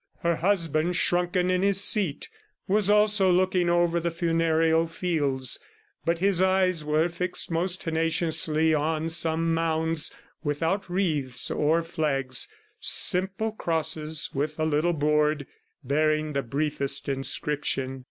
Her husband, shrunken in his seat, was also looking over the funereal fields, but his eyes were fixed most tenaciously on some mounds without wreaths or flags, simple crosses with a little board bearing the briefest inscription.